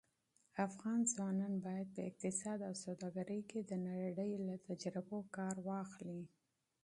افغان ځوانان باید په اقتصاد او سوداګرۍ کې د نړۍ له تجربو کار واخلي.